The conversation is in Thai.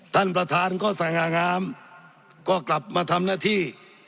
ท่านประธานก็สง่างามก็กลับมาทำหน้าที่